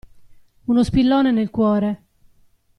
Uno spillone nel cuore!